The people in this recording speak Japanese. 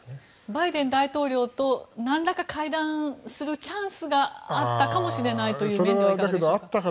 バイデン大統領となんらか会談するチャンスがあったかもしれないというのはいかがでしょうか。